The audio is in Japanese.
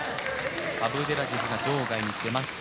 アブデラジズが場外に出ました。